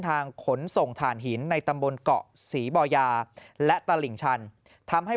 ขนส่งฐานหินในตำบลเกาะศรีบอยาและตลิ่งชันทำให้